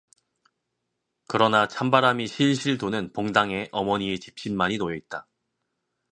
그러나 찬바람이 실실 도는 봉당에 어머니의 짚신만이 놓여 있다.